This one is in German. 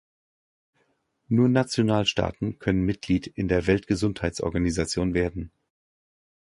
Nur Nationalstaaten können Mitglied in der Weltgesundheitsorganisation werden.